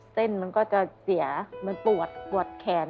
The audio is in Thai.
เส้นมันก็จะเสียมันปวดปวดแขน